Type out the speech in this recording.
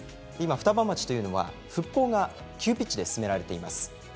双葉町は復興が今、急ピッチで進められています。